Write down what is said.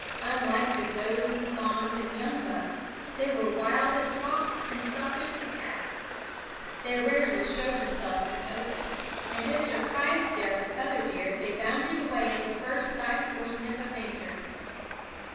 Unlike the does and fawns and young bucks, they were wild as hawks and selfish as cats. They rarely showed themselves in the open, and if surprised there with other deer they bounded away at the first sight or sniff of danger.